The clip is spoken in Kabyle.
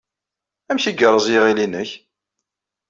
Amek ay yerreẓ yiɣil-nnek?